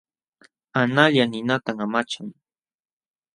Analla ninata amachan.